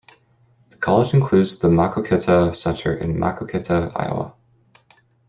The college includes the Maquoketa Center in Maquoketa, Iowa.